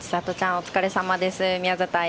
お疲れさまです。